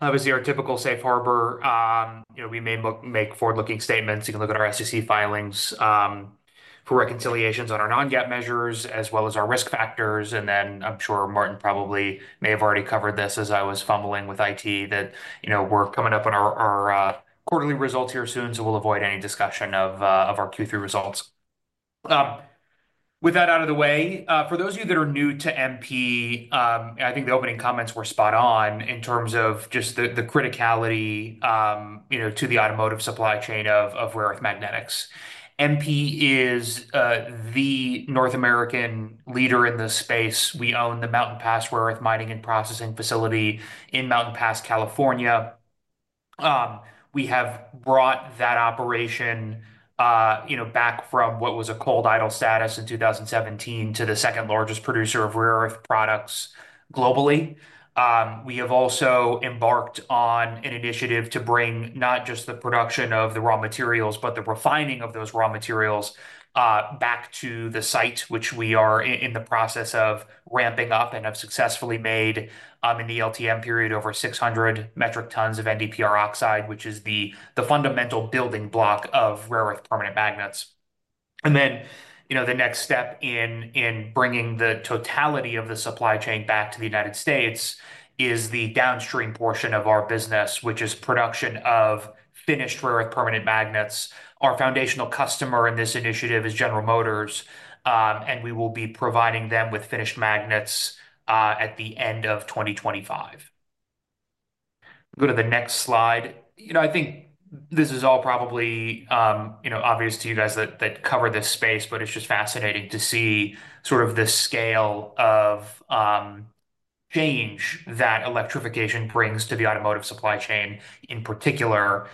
Obviously, our typical safe harbor, you know, we may make forward-looking statements. You can look at our SEC filings for reconciliations on our non-GAAP measures, as well as our risk factors. And then I'm sure Martin probably may have already covered this as I was fumbling with IT, that, you know, we're coming up on our quarterly results here soon, so we'll avoid any discussion of our Q3 results. With that out of the way, for those of you that are new to MP, I think the opening comments were spot on in terms of just the criticality, you know, to the automotive supply chain of rare earth magnets. MP is the North American leader in this space. We own the Mountain Pass rare earth Mining and Processing facility in Mountain Pass, California. We have brought that operation, you know, back from what was a cold idle status in 2017 to the second largest producer of rare earth products globally. We have also embarked on an initiative to bring not just the production of the raw materials, but the refining of those raw materials back to the site, which we are in the process of ramping up and have successfully made in the LTM period over 600 metric tons of NdPr oxide, which is the fundamental building block of rare earth permanent magnets. And then, you know, the next step in bringing the totality of the supply chain back to the United States is the downstream portion of our business, which is production of finished rare earth permanent magnets. Our foundational customer in this initiative is General Motors, and we will be providing them with finished magnets at the end of 2025. Go to the next slide. You know, I think this is all probably, you know, obvious to you guys that cover this space, but it's just fascinating to see sort of the scale of change that electrification brings to the automotive supply chain in particular.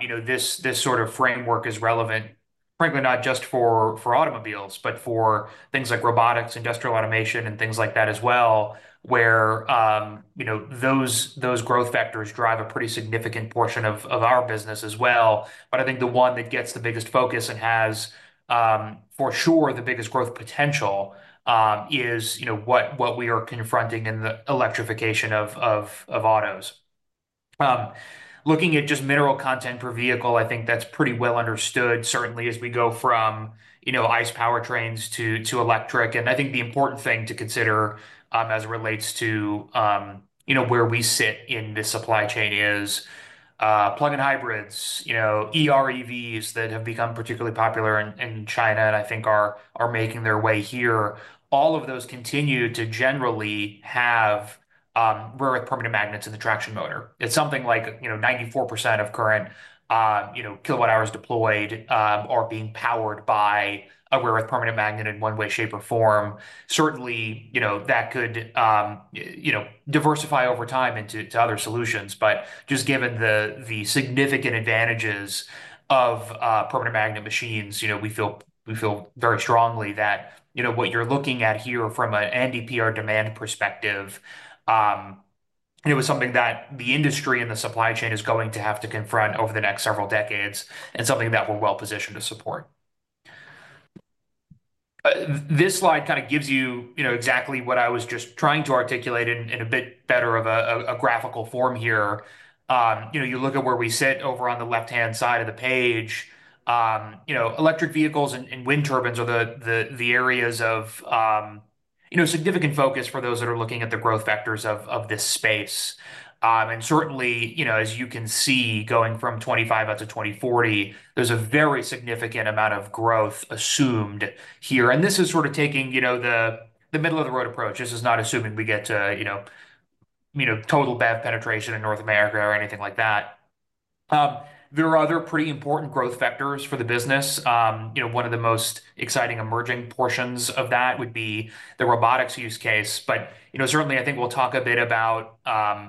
You know, this sort of framework is relevant, frankly, not just for automobiles, but for things like robotics, industrial automation, and things like that as well, where, you know, those growth factors drive a pretty significant portion of our business as well. But I think the one that gets the biggest focus and has, for sure, the biggest growth potential is, you know, what we are confronting in the electrification of autos. Looking at just mineral content per vehicle, I think that's pretty well understood, certainly as we go from, you know, ICE powertrains to electric. I think the important thing to consider as it relates to, you know, where we sit in this supply chain is plug-in hybrids, you know, EVs that have become particularly popular in China and I think are making their way here. All of those continue to generally have rare earth permanent magnets in the traction motor. It's something like, you know, 94% of current, you know, kilowatt-hours deployed are being powered by a rare earth permanent magnet in one way, shape, or form. Certainly, you know, that could, you know, diversify over time into other solutions. But just given the significant advantages of permanent magnet machines, you know, we feel very strongly that, you know, what you're looking at here from an NdPr demand perspective, you know, is something that the industry and the supply chain is going to have to confront over the next several decades and something that we're well positioned to support. This slide kind of gives you, you know, exactly what I was just trying to articulate in a bit better of a graphical form here. You know, you look at where we sit over on the left-hand side of the page, you know, electric vehicles and wind turbines are the areas of, you know, significant focus for those that are looking at the growth factors of this space. And certainly, you know, as you can see, going from 2025 out to 2040, there's a very significant amount of growth assumed here. This is sort of taking, you know, the middle-of-the-road approach. This is not assuming we get to, you know, total BEV penetration in North America or anything like that. There are other pretty important growth factors for the business. You know, one of the most exciting emerging portions of that would be the robotics use case. But, you know, certainly, I think we'll talk a bit about,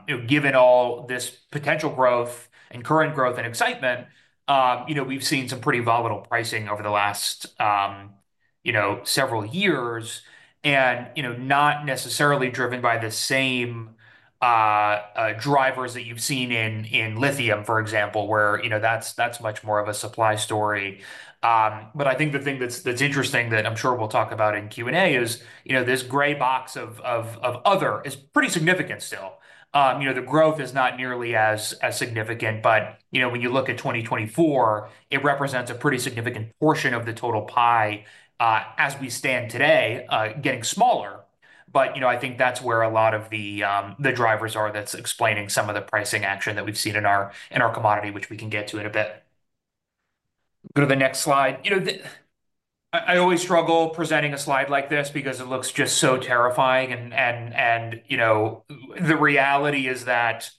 you know, given all this potential growth and current growth and excitement, you know, we've seen some pretty volatile pricing over the last, you know, several years, and, you know, not necessarily driven by the same drivers that you've seen in lithium, for example, where, you know, that's much more of a supply story. But I think the thing that's interesting that I'm sure we'll talk about in Q&A is, you know, this gray box of other is pretty significant still. You know, the growth is not nearly as significant, but you know, when you look at 2024, it represents a pretty significant portion of the total pie as we stand today, getting smaller, but you know, I think that's where a lot of the drivers are, that's explaining some of the pricing action that we've seen in our commodity, which we can get to in a bit. Go to the next slide. You know, I always struggle presenting a slide like this because it looks just so terrifying, and you know, the reality is that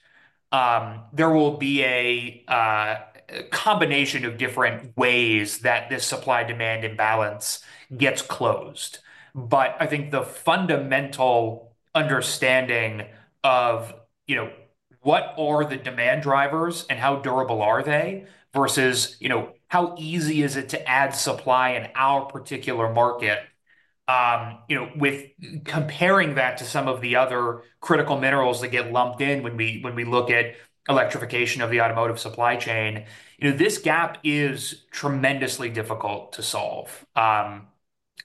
there will be a combination of different ways that this supply-demand imbalance gets closed. I think the fundamental understanding of, you know, what are the demand drivers and how durable are they versus, you know, how easy is it to add supply in our particular market, you know, with comparing that to some of the other critical minerals that get lumped in when we look at electrification of the automotive supply chain, you know, this gap is tremendously difficult to solve.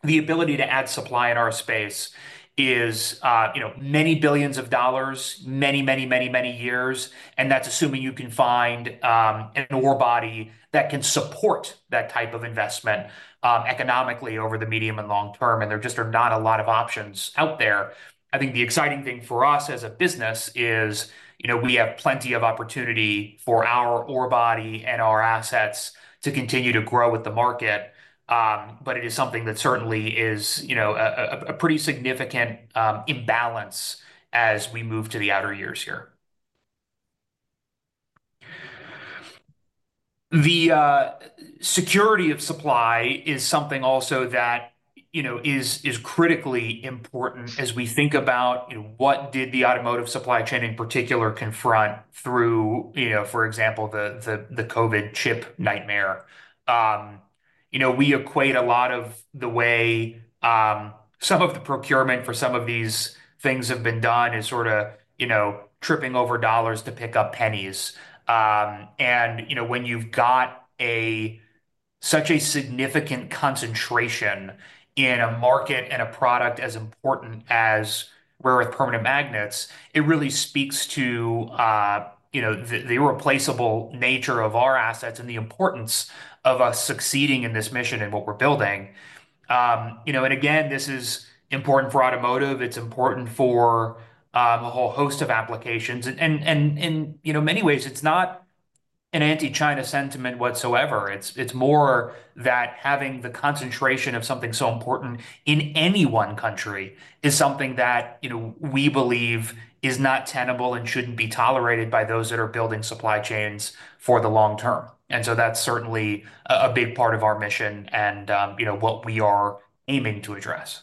The ability to add supply in our space is, you know, many billions of dollars, many, many, many, many years. That's assuming you can find an ore body that can support that type of investment economically over the medium and long term. There just are not a lot of options out there. I think the exciting thing for us as a business is, you know, we have plenty of opportunity for our ore body and our assets to continue to grow with the market. But it is something that certainly is, you know, a pretty significant imbalance as we move to the outer years here. The security of supply is something also that, you know, is critically important as we think about, you know, what did the automotive supply chain in particular confront through, you know, for example, the COVID chip nightmare. You know, we equate a lot of the way some of the procurement for some of these things have been done is sort of, you know, tripping over dollars to pick up pennies. You know, when you've got such a significant concentration in a market and a product as important as rare earth permanent magnets, it really speaks to, you know, the irreplaceable nature of our assets and the importance of us succeeding in this mission and what we're building. You know, and again, this is important for automotive. It's important for a whole host of applications. You know, in many ways, it's not an anti-China sentiment whatsoever. It's more that having the concentration of something so important in any one country is something that, you know, we believe is not tenable and shouldn't be tolerated by those that are building supply chains for the long term. So that's certainly a big part of our mission and, you know, what we are aiming to address.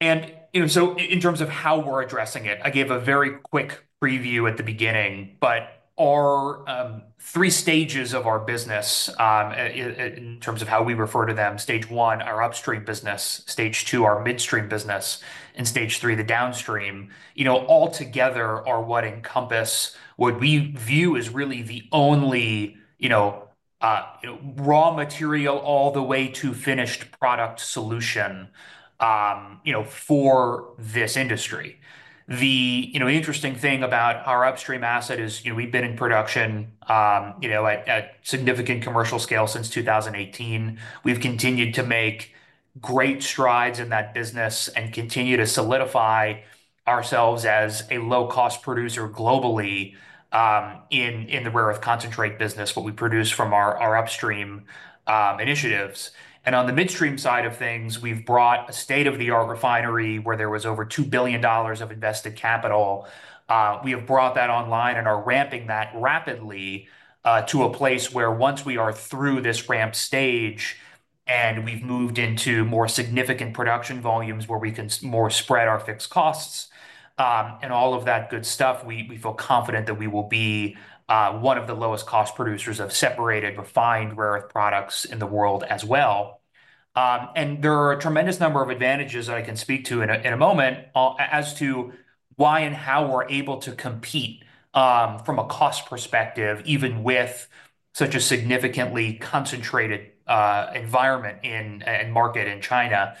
And, you know, so in terms of how we're addressing it, I gave a very quick preview at the beginning, but our three stages of our business in terms of how we refer to them, stage one, our upstream business, stage two, our midstream business, and stage three, the downstream, you know, altogether are what encompass what we view as really the only, you know, raw material all the way to finished product solution, you know, for this industry. The, you know, interesting thing about our upstream asset is, you know, we've been in production, you know, at significant commercial scale since 2018. We've continued to make great strides in that business and continue to solidify ourselves as a low-cost producer globally in the rare earth concentrate business, what we produce from our upstream initiatives. And on the midstream side of things, we've brought a state-of-the-art refinery where there was over $2 billion of invested capital. We have brought that online and are ramping that rapidly to a place where once we are through this ramp stage and we've moved into more significant production volumes where we can more spread our fixed costs and all of that good stuff, we feel confident that we will be one of the lowest-cost producers of separated refined rare earth products in the world as well. And there are a tremendous number of advantages that I can speak to in a moment as to why and how we're able to compete from a cost perspective, even with such a significantly concentrated environment and market in China.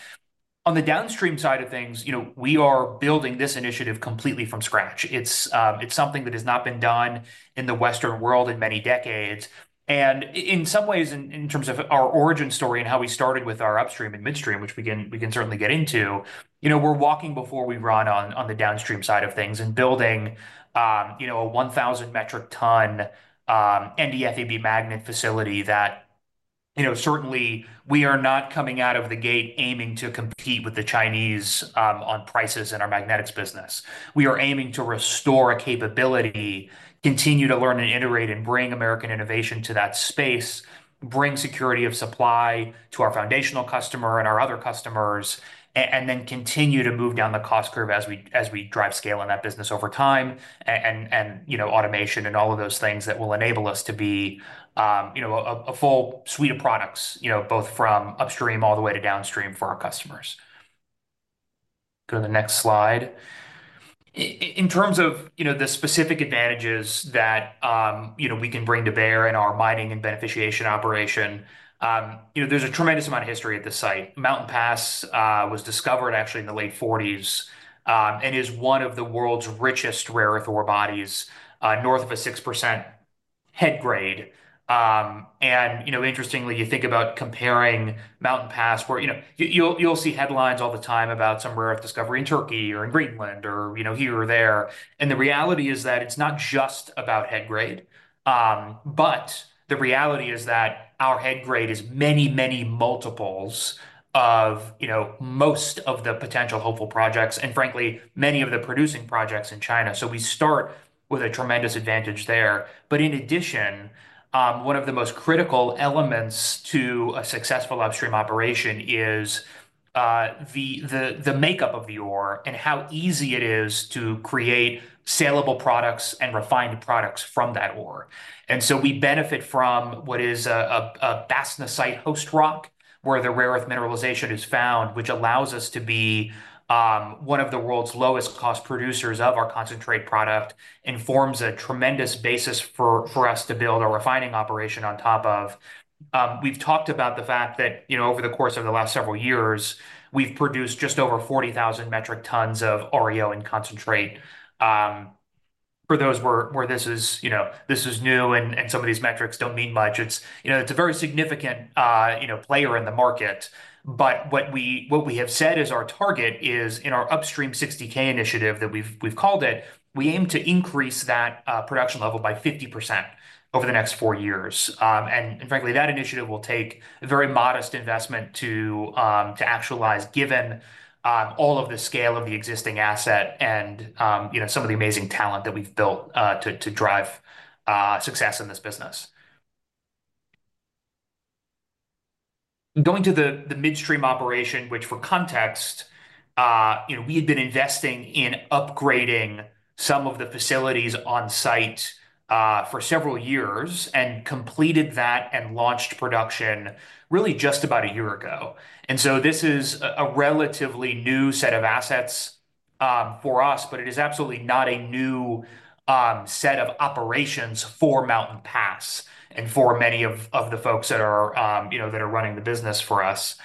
On the downstream side of things, you know, we are building this initiative completely from scratch. It's something that has not been done in the Western world in many decades, and in some ways, in terms of our origin story and how we started with our upstream and midstream, which we can certainly get into, you know, we're walking before we run on the downstream side of things and building, you know, a 1,000 metric ton NdFeB magnet facility that, you know, certainly we are not coming out of the gate aiming to compete with the Chinese on prices in our magnetics business. We are aiming to restore a capability, continue to learn and iterate and bring American innovation to that space, bring security of supply to our foundational customer and our other customers, and then continue to move down the cost curve as we drive scale in that business over time and, you know, automation and all of those things that will enable us to be, you know, a full suite of products, you know, both from upstream all the way to downstream for our customers. Go to the next slide. In terms of, you know, the specific advantages that, you know, we can bring to bear in our mining and beneficiation operation, you know, there's a tremendous amount of history at this site. Mountain Pass was discovered actually in the late 1940s and is one of the world's richest rare earth ore bodies, north of a 6% head grade. And, you know, interestingly, you think about comparing Mountain Pass, where, you know, you'll see headlines all the time about some rare earth discovery in Turkey or in Greenland or, you know, here or there. And the reality is that it's not just about head grade, but the reality is that our head grade is many, many multiples of, you know, most of the potential hopeful projects and, frankly, many of the producing projects in China. So we start with a tremendous advantage there. But in addition, one of the most critical elements to a successful upstream operation is the makeup of the ore and how easy it is to create salable products and refined products from that ore. And so we benefit from what is a bastnaesite host rock where the rare earth mineralization is found, which allows us to be one of the world's lowest-cost producers of our concentrate product and forms a tremendous basis for us to build our refining operation on top of. We've talked about the fact that, you know, over the course of the last several years, we've produced just over 40,000 metric tons of REO and concentrate. For those where this is, you know, this is new and some of these metrics don't mean much, it's, you know, it's a very significant, you know, player in the market. But what we have said is our target is in our Upstream 60K initiative that we've called it, we aim to increase that production level by 50% over the next four years. And frankly, that initiative will take a very modest investment to actualize given all of the scale of the existing asset and, you know, some of the amazing talent that we've built to drive success in this business. Going to the midstream operation, which for context, you know, we had been investing in upgrading some of the facilities on site for several years and completed that and launched production really just about a year ago. And so this is a relatively new set of assets for us, but it is absolutely not a new set of operations for Mountain Pass and for many of the folks that are, you know, that are running the business for us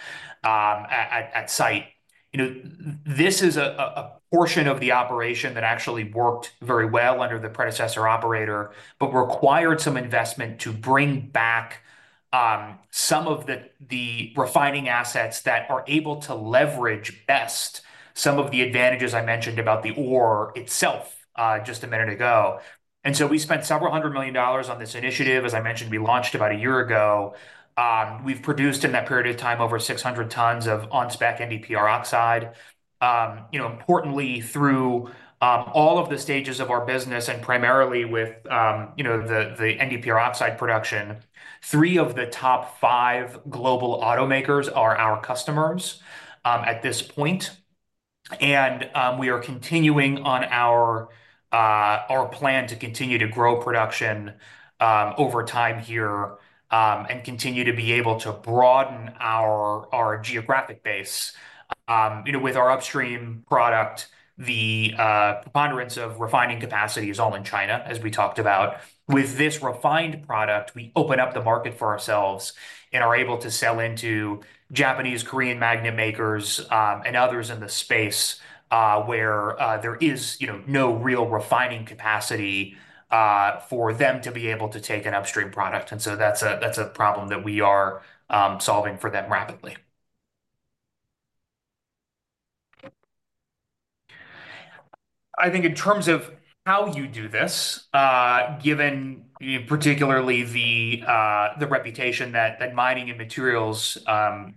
at site. You know, this is a portion of the operation that actually worked very well under the predecessor operator, but required some investment to bring back some of the refining assets that are able to leverage best some of the advantages I mentioned about the ore itself just a minute ago. And so we spent several hundred million dollars on this initiative. As I mentioned, we launched about a year ago. We've produced in that period of time over 600 tons of on-spec NdPr oxide. You know, importantly, through all of the stages of our business and primarily with, you know, the NdPr oxide production, three of the top five global automakers are our customers at this point. And we are continuing on our plan to continue to grow production over time here and continue to be able to broaden our geographic base. You know, with our upstream product, the preponderance of refining capacity is all in China, as we talked about. With this refined product, we open up the market for ourselves and are able to sell into Japanese, Korean magnet makers and others in the space where there is, you know, no real refining capacity for them to be able to take an upstream product. And so that's a problem that we are solving for them rapidly. I think in terms of how you do this, given particularly the reputation that mining and materials,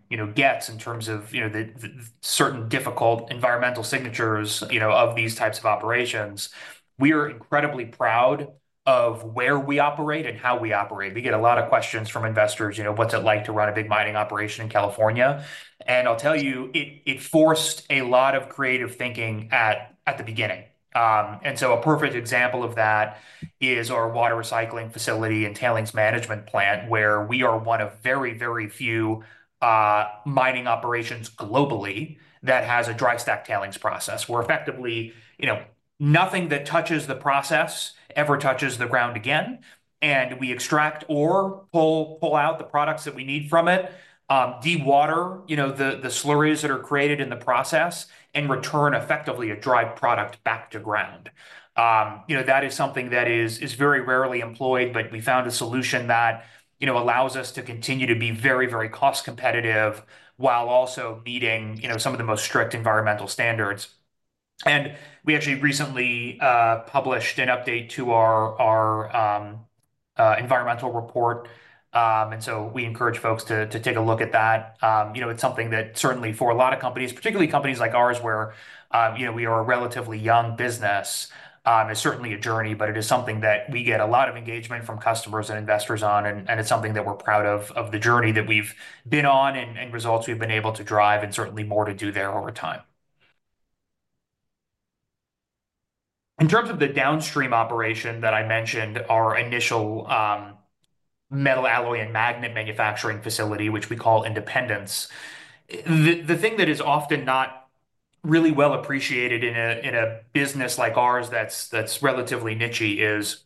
you know, gets in terms of, you know, the certain difficult environmental signatures, you know, of these types of operations, we are incredibly proud of where we operate and how we operate. We get a lot of questions from investors, you know, what's it like to run a big mining operation in California? I'll tell you, it forced a lot of creative thinking at the beginning. A perfect example of that is our water recycling facility and tailings management plant where we are one of very, very few mining operations globally that has a dry stack tailings process. We're effectively, you know, nothing that touches the process ever touches the ground again. We extract or pull out the products that we need from it, dewater, you know, the slurries that are created in the process and return effectively a dry product back to ground. You know, that is something that is very rarely employed, but we found a solution that, you know, allows us to continue to be very, very cost competitive while also meeting, you know, some of the most strict environmental standards. We actually recently published an update to our environmental report. And so we encourage folks to take a look at that. You know, it's something that certainly for a lot of companies, particularly companies like ours where, you know, we are a relatively young business, it's certainly a journey, but it is something that we get a lot of engagement from customers and investors on. And it's something that we're proud of, of the journey that we've been on and results we've been able to drive and certainly more to do there over time. In terms of the downstream operation that I mentioned, our initial metal alloy and magnet manufacturing facility, which we call Independence. The thing that is often not really well appreciated in a business like ours that's relatively niche is,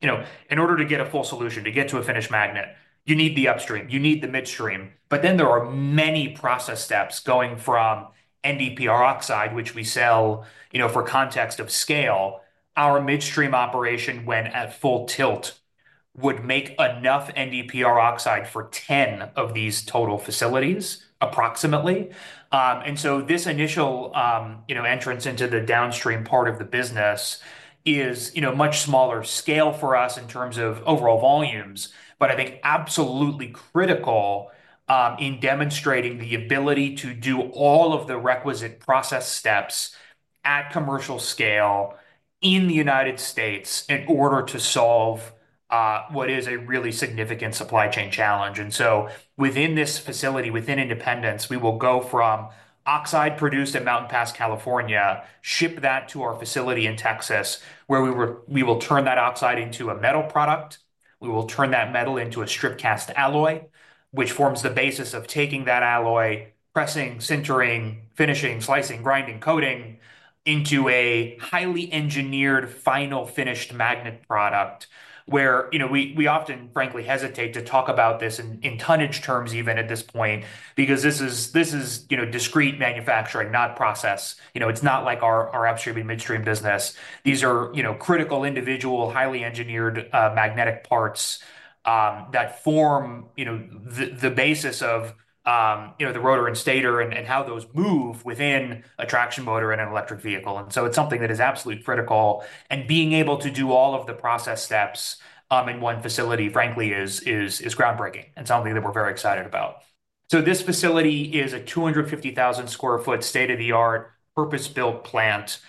you know, in order to get a full solution, to get to a finished magnet, you need the upstream. You need the midstream. But then there are many process steps going from NdPr oxide, which we sell, you know, for context of scale. Our midstream operation when at full tilt would make enough NdPr oxide for 10 of these total facilities approximately, and so this initial, you know, entrance into the downstream part of the business is, you know, much smaller scale for us in terms of overall volumes, but I think absolutely critical in demonstrating the ability to do all of the requisite process steps at commercial scale in the United States in order to solve what is a really significant supply chain challenge, and so within this facility, within Independence, we will go from oxide produced at Mountain Pass, California, ship that to our facility in Texas where we will turn that oxide into a metal product. We will turn that metal into a strip cast alloy, which forms the basis of taking that alloy, pressing, sintering, finishing, slicing, grinding, coating into a highly engineered final finished magnet product where, you know, we often, frankly, hesitate to talk about this in tonnage terms even at this point because this is, you know, discrete manufacturing, not process. You know, it's not like our upstream and midstream business. These are, you know, critical individual, highly engineered magnetic parts that form, you know, the basis of, you know, the rotor and stator and how those move within a traction motor and an electric vehicle, and so it's something that is absolutely critical. And being able to do all of the process steps in one facility, frankly, is groundbreaking and something that we're very excited about, so this facility is a 250,000 sq ft state-of-the-art purpose-built plant.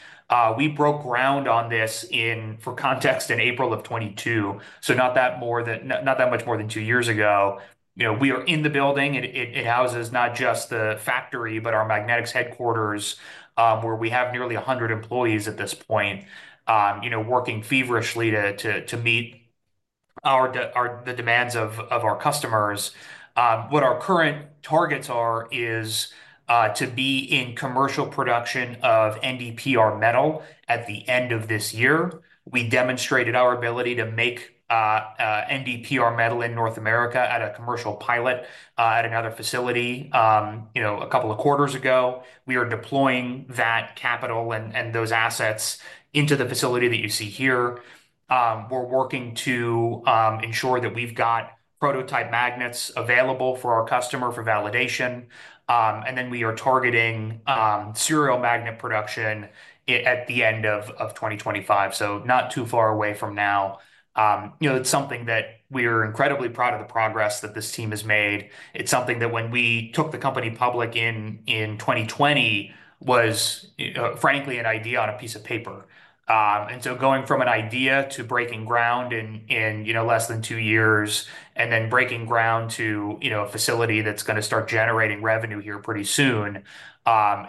We broke ground on this in, for context, in April of 2022, so not that much more than two years ago. You know, we are in the building. It houses not just the factory, but our magnetics headquarters where we have nearly 100 employees at this point, you know, working feverishly to meet the demands of our customers. What our current targets are is to be in commercial production of NdPr metal at the end of this year. We demonstrated our ability to make NdPr metal in North America at a commercial pilot at another facility, you know, a couple of quarters ago. We are deploying that capital and those assets into the facility that you see here. We're working to ensure that we've got prototype magnets available for our customer for validation. And then we are targeting serial magnet production at the end of 2025. So not too far away from now. You know, it's something that we are incredibly proud of the progress that this team has made. It's something that when we took the company public in 2020 was, frankly, an idea on a piece of paper. And so going from an idea to breaking ground in, you know, less than two years and then breaking ground to, you know, a facility that's going to start generating revenue here pretty soon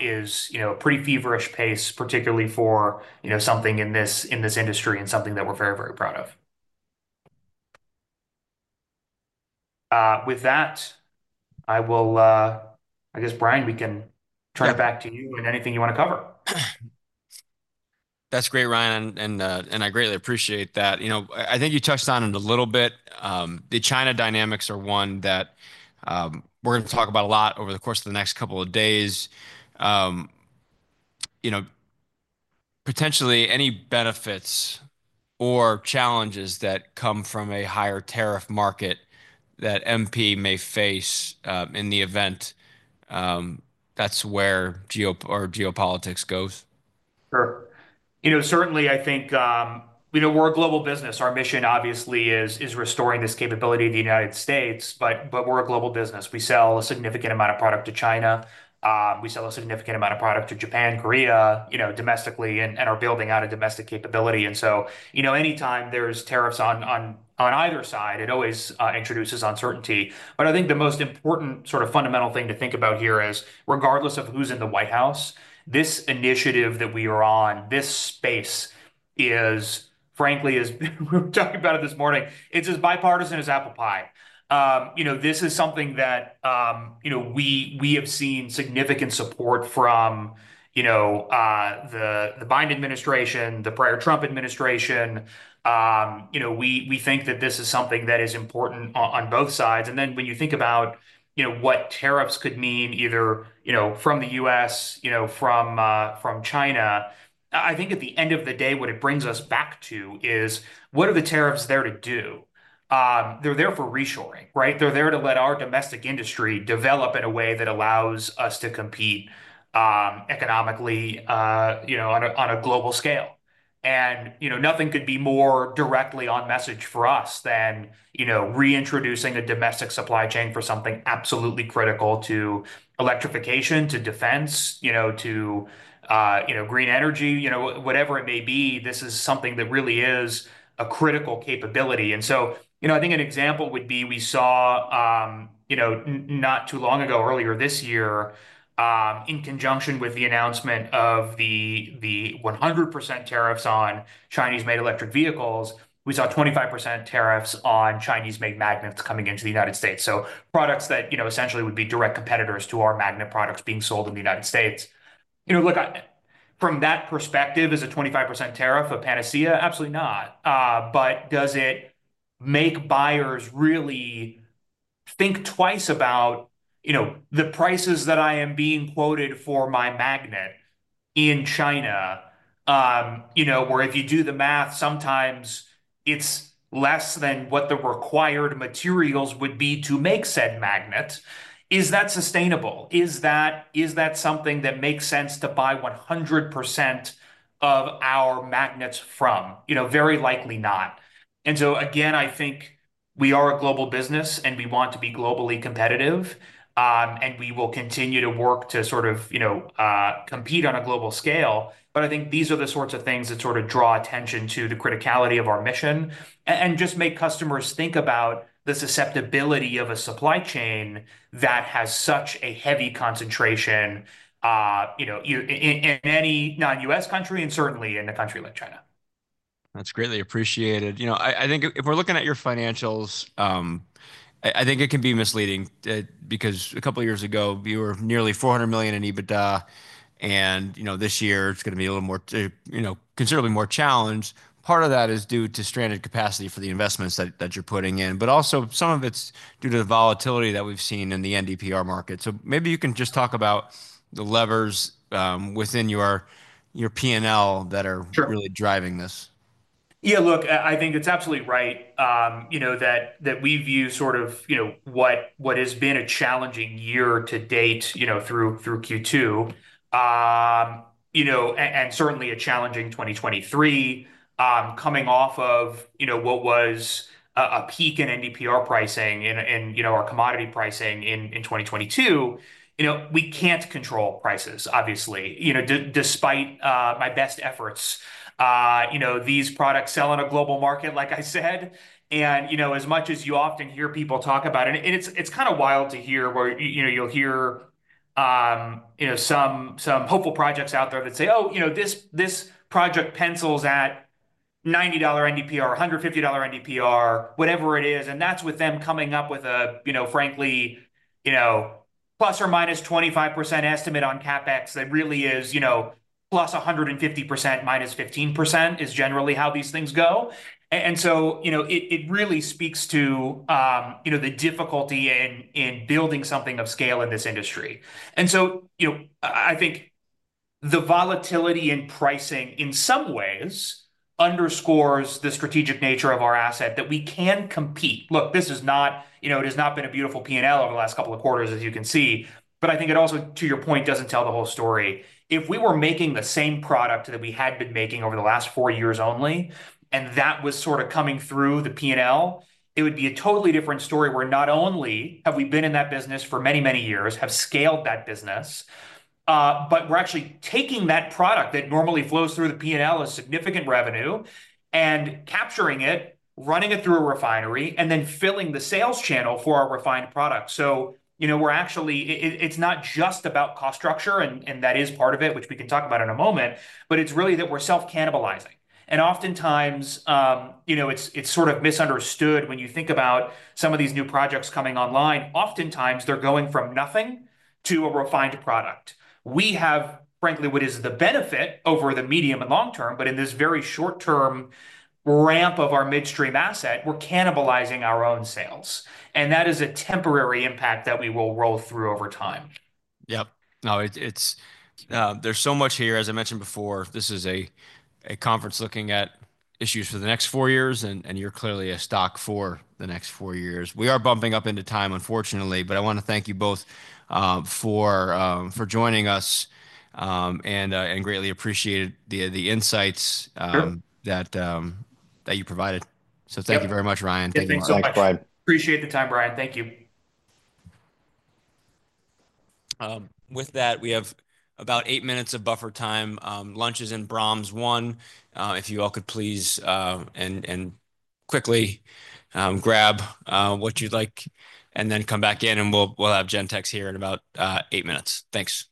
is, you know, a pretty feverish pace, particularly for, you know, something in this industry and something that we're very, very proud of. With that, I will, I guess, Brian, we can turn it back to you and anything you want to cover. That's great, Ryan. And I greatly appreciate that. You know, I think you touched on it a little bit. The China dynamics are one that we're going to talk about a lot over the course of the next couple of days. You know, potentially any benefits or challenges that come from a higher tariff market that MP may face in the event that's where geo or geopolitics goes. Sure. You know, certainly I think, you know, we're a global business. Our mission obviously is restoring this capability in the United States, but we're a global business. We sell a significant amount of product to China. We sell a significant amount of product to Japan, Korea, you know, domestically and are building out a domestic capability, and so, you know, anytime there's tariffs on either side, it always introduces uncertainty. But I think the most important sort of fundamental thing to think about here is regardless of who's in the White House, this initiative that we are on, this space is, frankly, as we're talking about it this morning, it's as bipartisan as apple pie. You know, this is something that, you know, we have seen significant support from, you know, the Biden administration, the prior Trump administration. You know, we think that this is something that is important on both sides. And then when you think about, you know, what tariffs could mean either, you know, from the U.S., you know, from China, I think at the end of the day, what it brings us back to is what are the tariffs there to do? They're there for reshoring, right? They're there to let our domestic industry develop in a way that allows us to compete economically, you know, on a global scale, and, you know, nothing could be more directly on message for us than, you know, reintroducing a domestic supply chain for something absolutely critical to electrification, to defense, you know, to, you know, green energy, you know, whatever it may be. This is something that really is a critical capability, and so, you know, I think an example would be we saw, you know, not too long ago, earlier this year, in conjunction with the announcement of the 100% tariffs on Chinese-made electric vehicles, we saw 25% tariffs on Chinese-made magnets coming into the United States, so products that, you know, essentially would be direct competitors to our magnet products being sold in the United States. You know, look, from that perspective, is a 25% tariff a panacea? Absolutely not. But does it make buyers really think twice about, you know, the prices that I am being quoted for my magnet in China, you know, where if you do the math, sometimes it's less than what the required materials would be to make said magnets? Is that sustainable? Is that something that makes sense to buy 100% of our magnets from? You know, very likely not. And so again, I think we are a global business and we want to be globally competitive. And we will continue to work to sort of, you know, compete on a global scale. But I think these are the sorts of things that sort of draw attention to the criticality of our mission and just make customers think about the susceptibility of a supply chain that has such a heavy concentration, you know, in any non-U.S. country and certainly in a country like China. That's greatly appreciated. You know, I think if we're looking at your financials, I think it can be misleading because a couple of years ago, we were nearly $400 million in EBITDA. And, you know, this year it's going to be a little more, you know, considerably more challenged. Part of that is due to stranded capacity for the investments that you're putting in, but also some of it's due to the volatility that we've seen in the NdPr market. So maybe you can just talk about the levers within your P&L that are really driving this. Yeah, look, I think it's absolutely right, you know, that we view sort of, you know, what has been a challenging year to date, you know, through Q2, you know, and certainly a challenging 2023 coming off of, you know, what was a peak in NdPr pricing and, you know, our commodity pricing in 2022. You know, we can't control prices, obviously, you know, despite my best efforts. You know, these products sell in a global market, like I said. And, you know, as much as you often hear people talk about it, and it's kind of wild to hear where, you know, you'll hear, you know, some hopeful projects out there that say, oh, you know, this project pencils at $90 NdPr $150 NdPr, whatever it is. And that's with them coming up with a, you know, frankly, you know, plus or minus 25% estimate on CapEx that really is, you know, +150%, -15% is generally how these things go. And so, you know, it really speaks to, you know, the difficulty in building something of scale in this industry. And so, you know, I think the volatility in pricing in some ways underscores the strategic nature of our asset that we can compete. Look, this is not, you know, it has not been a beautiful P&L over the last couple of quarters, as you can see. But I think it also, to your point, doesn't tell the whole story. If we were making the same product that we had been making over the last four years only, and that was sort of coming through the P&L, it would be a totally different story where not only have we been in that business for many, many years, have scaled that business, but we're actually taking that product that normally flows through the P&L as significant revenue and capturing it, running it through a refinery, and then filling the sales channel for our refined product. So, you know, we're actually, it's not just about cost structure, and that is part of it, which we can talk about in a moment, but it's really that we're self-cannibalizing. And oftentimes, you know, it's sort of misunderstood when you think about some of these new projects coming online. Oftentimes, they're going from nothing to a refined product. We have, frankly, what is the benefit over the medium and long term, but in this very short term ramp of our midstream asset, we're cannibalizing our own sales. And that is a temporary impact that we will roll through over time. Yep. No, it's, there's so much here. As I mentioned before, this is a conference looking at issues for the next four years, and you're clearly a stock for the next four years. We are bumping up into time, unfortunately, but I want to thank you both for joining us and greatly appreciated the insights that you provided. So thank you very much, Ryan. Thank you so much, Brian. Appreciate the time, Brian. Thank you. With that, we have about eight minutes of buffer time. Lunch is in Brahms One. If you all could please and quickly grab what you'd like and then come back in, and we'll have Gentex here in about eight minutes. Thanks.